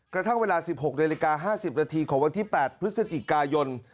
กระทั่งเวลา๑๖นาฬิกา๕๐นาทีของวันที่๘พฤศจิกายน